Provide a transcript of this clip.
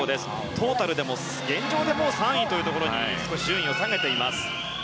トータルでも現状で３位に少し順位を下げています。